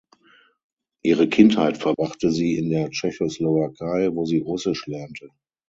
Ihre Kindheit verbrachte sie in der Tschechoslowakei, wo sie Russisch lernte.